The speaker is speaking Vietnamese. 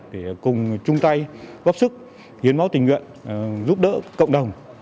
để cùng chung tay góp sức hiến máu tình nguyện giúp đỡ cộng đồng